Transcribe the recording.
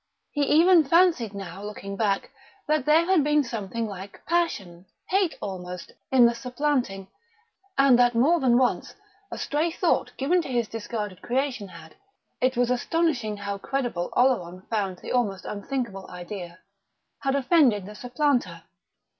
He even fancied now, looking back, that there had been something like passion, hate almost, in the supplanting, and that more than once a stray thought given to his discarded creation had (it was astonishing how credible Oleron found the almost unthinkable idea) had offended the supplanter.